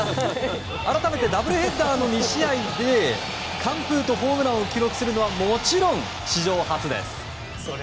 改めてダブルヘッダーの２試合で完封とホームランを記録するのはもちろん史上初です。